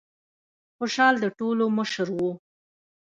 خوشال د ټولو مشر و.